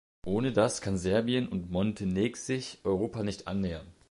Ohne das kann Serbien und Montenegsich Europa nicht annähern.